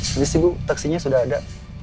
jadi sih bu taksinya sudah ada